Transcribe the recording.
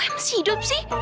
kok yang masih hidup sih